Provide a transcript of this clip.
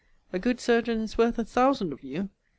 A good surgeon is worth a thousand of you.